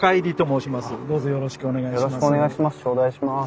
よろしくお願いします。